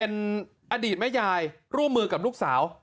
เป็นอดีตแม่ยายร่วมมือกับลูกสาว